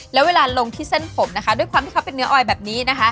แล้วเวลาลงที่เส้นผมนะคะด้วยความที่เขาเป็นเนื้อออยแบบนี้นะคะ